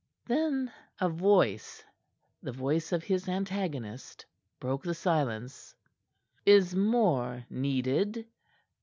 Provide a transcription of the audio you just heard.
Then a voice the voice of his antagonist broke the silence. "Is more needed?"